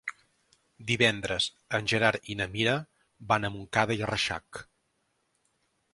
Divendres en Gerard i na Mira van a Montcada i Reixac.